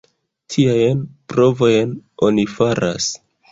Tiajn provojn oni faras.